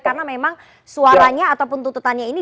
karena memang suaranya ataupun tuntutannya ini